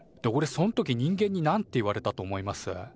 そん時人間になんて言われたと思います？